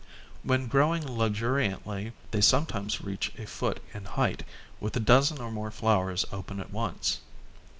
When growing luxuriantly, they sometimes reach a foot in height with a dozen or more flowers open at once.